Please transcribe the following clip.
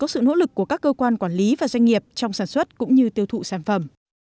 sản xuất cũng như tiêu thụ sản phẩm